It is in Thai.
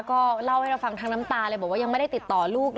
ก็เล่าให้เราฟังทั้งน้ำตาเลยบอกว่ายังไม่ได้ติดต่อลูก